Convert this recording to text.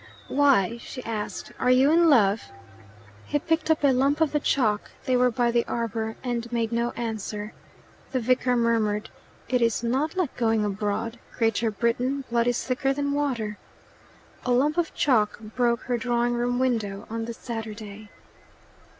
"Why?" she asked. "Are you in love?" He picked up a lump of the chalk they were by the arbour and made no answer. The vicar murmured, "It is not like going abroad Greater Britain blood is thicker than water " A lump of chalk broke her drawing room window on the Saturday.